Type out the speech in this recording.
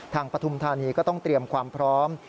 ปฐุมธานีก็ต้องเตรียมความพร้อม